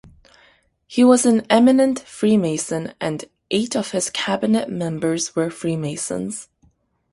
He was an eminent Freemason and eight of his cabinet members were Freemasons.